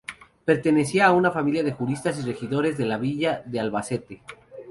Pertenecía a una familia de juristas y regidores de la villa de Albacete.